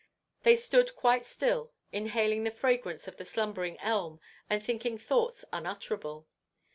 They stood quite still, inhaling the fragrance of the slumbering elm, and thinking thoughts unutterable.